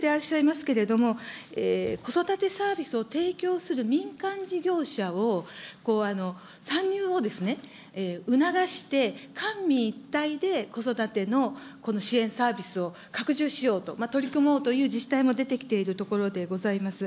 でも、都市部などにおいては、そういう取り組みもやってらっしゃいますけれども、子育てサービスを提供する民間事業者を、参入を促して、官民一体で子育てのこの支援サービスを拡充しようと、取り組もうという自治体も出てきているところでございます。